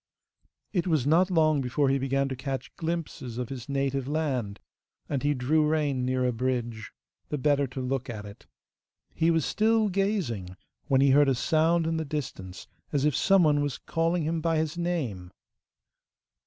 It was not long before he began to catch glimpses of his native land, and he drew rein near a bridge, the better to look at it. He was still gazing, when he heard a sound in the distance as if some one was calling hit by his name.